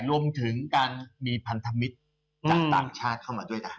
รวมถึงการมีพันธมิตรจากต่างชาติเข้ามาด้วยกัน